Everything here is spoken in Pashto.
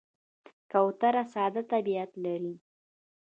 کوتره ساده طبیعت لري.